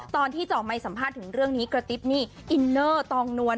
เจาะไมค์สัมภาษณ์ถึงเรื่องนี้กระติ๊บนี่อินเนอร์ตองนวล